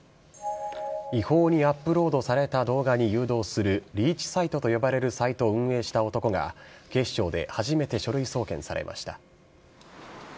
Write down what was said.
違法にアップロードされた動画に誘導するリーチサイトと呼ばれるサイトを運営した男が、警視庁で初めて書類送検されました。